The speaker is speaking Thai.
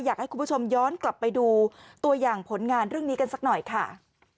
อยากให้คุณผู้ชมย้อนกลับไปดูตัวอย่างผลงานเรื่องนี้กันสักหน่อยค่ะ